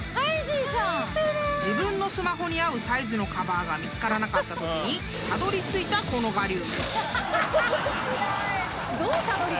［自分のスマホに合うサイズのカバーが見つからなかったときにたどりついたこの我流］